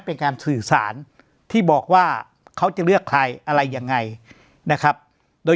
เป็นการสื่อสารที่บอกว่าเขาจะเลือกใครอะไรยังไงนะครับโดย